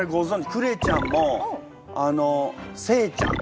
クレちゃんもあのせいちゃん